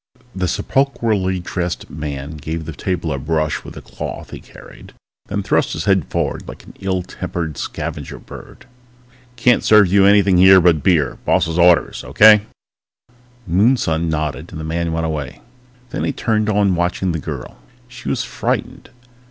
_ The sepulchrally dressed man gave the table a brush with a cloth he carried, then thrust his head forward like an ill tempered scavenger bird. "Can't serve you anything but beer. Boss's orders. Okay?" Moonson nodded and the man went away. Then he turned to watching the girl. She was frightened.